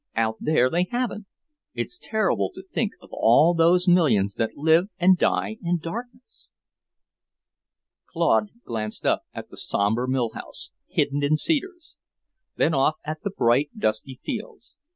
Out there they haven't. It's terrible to think of all those millions that live and die in darkness." Claude glanced up at the sombre mill house, hidden in cedars, then off at the bright, dusty fields.